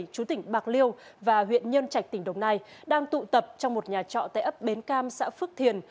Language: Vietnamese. chú tỉnh bạc liêu và huyện nhân trạch tỉnh đồng nai đang tụ tập trong một nhà trọ tại ấp bến cam xã phước thiền